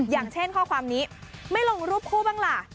อย่างเช่นข้อความนี้ไม่ลงรูปคู่บ้างล่ะ